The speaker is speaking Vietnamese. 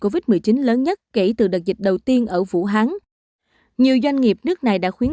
covid một mươi chín lớn nhất kể từ đợt dịch đầu tiên ở vũ hán nhiều doanh nghiệp nước này đã khuyến